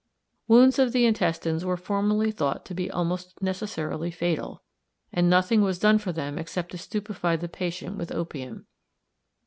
Wounds of the intestines were formerly thought to be almost necessarily fatal, and nothing was done for them except to stupify the patient with opium.